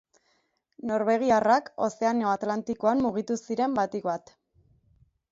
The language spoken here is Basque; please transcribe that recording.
Norvegiarrak Ozeano Atlantikoan mugitu ziren batik bat.